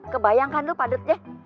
kebayangkan lo padetnya